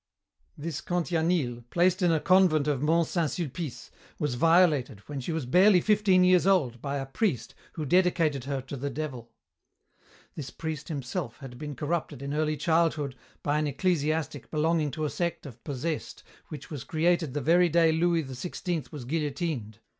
"This Cantianille, placed in a convent of Mont Saint Sulpice, was violated, when she was barely fifteen years old, by a priest who dedicated her to the Devil. This priest himself had been corrupted, in early childhood, by an ecclesiastic belonging to a sect of possessed which was created the very day Louis XVI was guillotined.